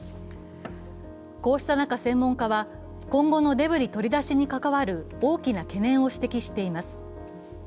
こうした中、専門家は今後のデブリ取り出しに関わる大きな懸念を指摘しています。